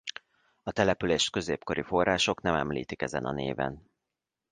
A települést középkori források nem említik ezen a néven.